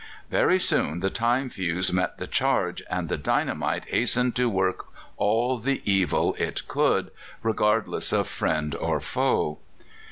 Very soon the time fuse met the charge, and the dynamite hastened to work all the evil it could, regardless of friend or foe.